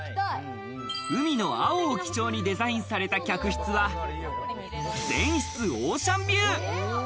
海の青を基調にデザインされた客室は、全室オーシャンビュー。